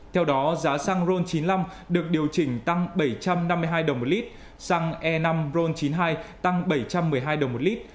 theo đó giá xăng ron chín mươi năm được điều chỉnh tăng bảy trăm năm mươi hai đồng một lít xăng e năm ron chín mươi hai tăng bảy trăm một mươi hai đồng một lít